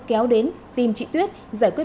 kéo đến tìm chị tuyết giải quyết